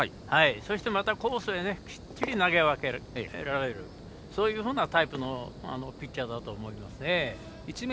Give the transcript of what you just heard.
そしてコースへきっちり投げ分けられるそういうふうなタイプのピッチャーだと思いますね。